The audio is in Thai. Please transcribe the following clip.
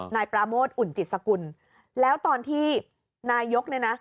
นายปราโมทอุ่นจิตสกุลแล้วตอนที่นายกเนี่ยนะ